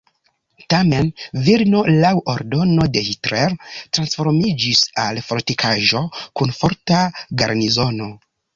Tamen Vilno laŭ ordono de Hitler transformiĝis al fortikaĵo kun forta garnizono.